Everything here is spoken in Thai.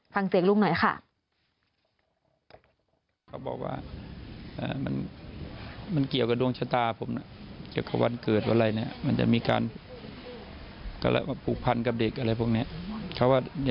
ฟังเสียงลุงหน่อยค่ะ